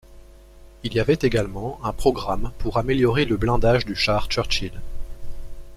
Il y avait également un programme pour améliorer le blindage du char Churchill.